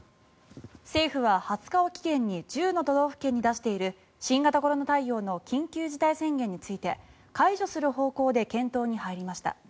政府は２０日を期限に１０の都道府県に出している新型コロナ対応の緊急事態宣言について解除する方向で検討に入りました。